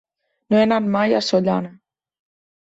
No he anat mai a Sollana.